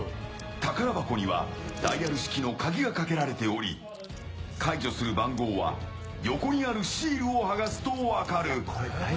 宝箱にはダイヤル式の鍵がかけられており解除する番号は横にあるシールを剥がすと分かる。